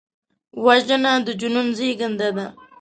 وژنه د جنون زیږنده ده